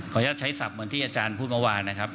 อนุญาตใช้ศัพท์เหมือนที่อาจารย์พูดเมื่อวานนะครับ